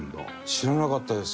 知らなかったです